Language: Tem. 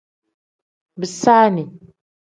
Bisaani.